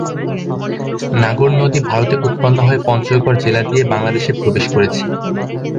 নাগর নদী ভারতে উৎপন্ন হয়ে পঞ্চগড় জেলা দিয়ে বাংলাদেশে প্রবেশ করেছে।